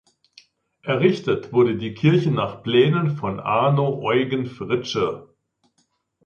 Errichtet wurde die Kirche nach Plänen von Arno Eugen Fritsche.